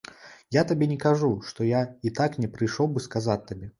Я табе не кажу, што я і так не прыйшоў бы сказаць табе.